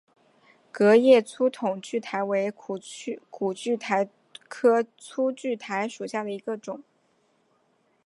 革叶粗筒苣苔为苦苣苔科粗筒苣苔属下的一个种。